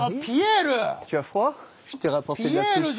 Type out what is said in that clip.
ピエール！